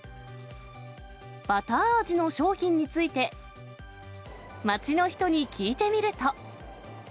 バター味の商品について、街の人に聞いてみると。